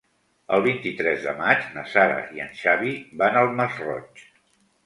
El vint-i-tres de maig na Sara i en Xavi van al Masroig.